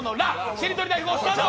しりとり大富豪スタート。